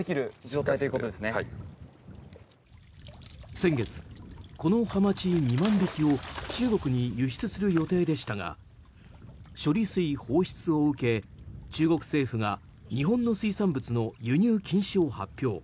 先月、このハマチ２万匹を中国に輸出する予定でしたが処理水放出を受け中国政府が日本の水産物の輸入禁止を発表。